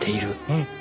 うん！